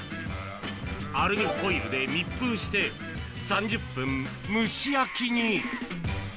アルミホイルで密封して、３０分蒸し焼きに。